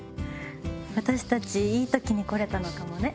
私たちいい時に来れたのかもね。